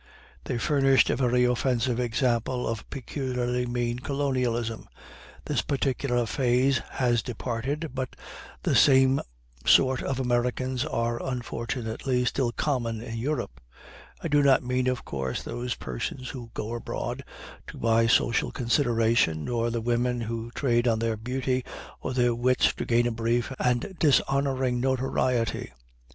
They furnished a very offensive example of peculiarly mean colonialism. This particular phase has departed, but the same sort of Americans are, unfortunately, still common in Europe. I do not mean, of course, those persons who go abroad to buy social consideration, nor the women who trade on their beauty or their wits to gain a brief and dishonoring notoriety.